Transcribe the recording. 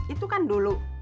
itu kan dulu